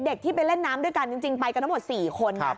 ที่ไปเล่นน้ำด้วยกันจริงไปกันทั้งหมด๔คน